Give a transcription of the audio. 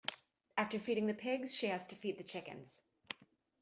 After feeding the pigs, she has to feed the chickens.